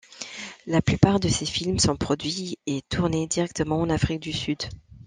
La plupart de ces films sont produits et tournés directement en Afrique du Sud.